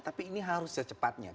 tapi ini harus secepatnya